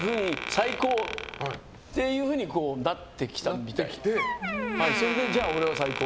最高っていうふうになってきたのでじゃあ「俺は最高！！！」